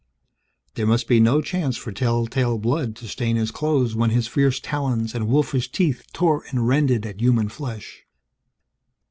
There must be no chance for tell tale blood to stain his clothes, when his fierce talons and wolfish teeth tore and rended at human flesh.